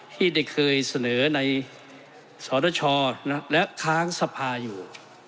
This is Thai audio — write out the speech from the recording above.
ที่ได้เคยเสนอในสตชและค้างสภาอยู่